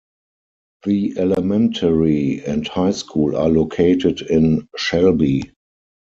The elementary and high school are located in Shelby.